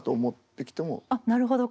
あっなるほど。